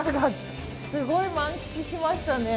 すごい満喫しましたね